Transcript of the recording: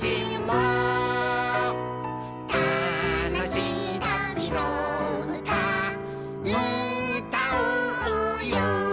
「たのしいたびのうたうたおうよ」